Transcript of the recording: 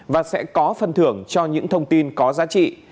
và sẽ có phân thưởng cho những thông tin có giá trị